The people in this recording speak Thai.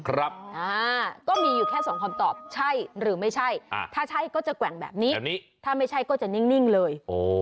ก็มีอยู่แค่สองคำตอบใช่หรือไม่ใช่ถ้าใช่ก็จะแกว่งแบบนี้ถ้าไม่ใช่ก็จะนิ่งเลย